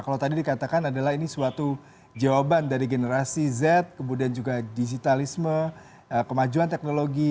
kalau tadi dikatakan adalah ini suatu jawaban dari generasi z kemudian juga digitalisme kemajuan teknologi